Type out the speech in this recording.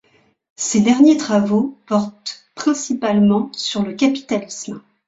Ses derniers travaux portent principalement sur le capitalisme.